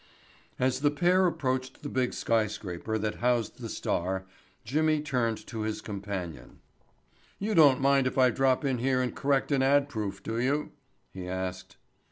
As the pair approached the big skyscraper that housed the Star, Jimmy turned to his companion. "You don't mind if I drop in here and correct an ad proof, do you?" he asked.